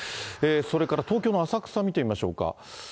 それから東京の浅草見てみましょうか。